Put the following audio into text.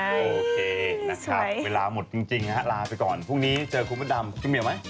โอเคนะครับเวลาหมดจริงฮะลาไปก่อนพรุ่งนี้เจอคุณพระดำพี่เมียวไหม